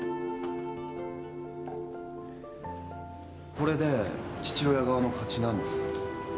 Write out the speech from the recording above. これで父親側の勝ちなんですか？